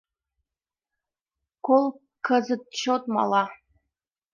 Кол кызыт чот мала.